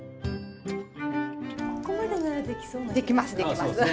ここまでならできそうな気がする。